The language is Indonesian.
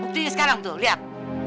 buktinya sekarang tuh liat